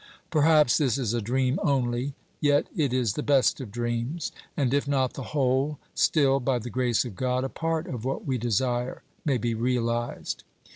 Perhaps this is a dream only, yet it is the best of dreams; and if not the whole, still, by the grace of God, a part of what we desire may be realized.